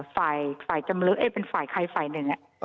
ฝ่ายฝ่ายจำลึกเอ๊ะเป็นฝ่ายใครฝ่ายหนึ่งอ่ะอ่า